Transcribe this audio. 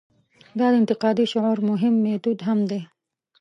دا د انتقادي شعور مهم میتود هم دی.